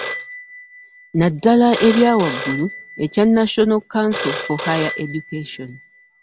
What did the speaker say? Naddala ebyawaggulu ekya ‘National Council for Higher Education'